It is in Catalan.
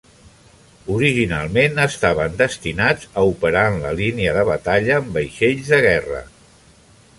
Originalment estaven destinats a operar en la línia de batalla amb vaixells de guerra.